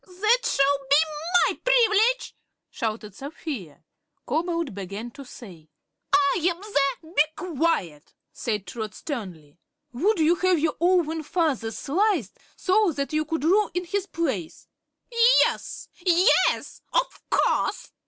"That shall be my privilege!" shouted Sapphire. Cobalt began to say: "I'm the " "Be quiet!" said Trot, sternly. "Would you have your own father sliced, so that you could rule in his place?" "Yes, yes; of course!"